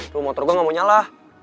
terus motor gue gak mau nyala